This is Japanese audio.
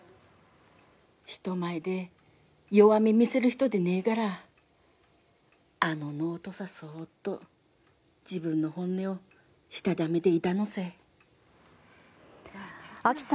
人前で弱み見せる人でねえからあのノートさそーっと自分の本音をしたためていたのさ。